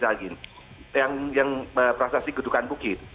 ada lagi yang berhasil di gedungkan bukit